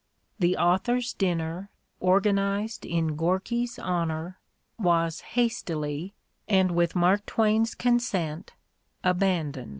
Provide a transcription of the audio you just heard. The authors' dinner, organized in Gorky's honor, was hastilyj and with Mark Twain's consent, abandoned.